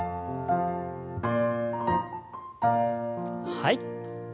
はい。